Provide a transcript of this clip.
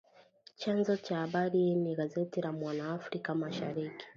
Chanzo cha habari hii ni gazeti la "Mwana Afrika Mashariki"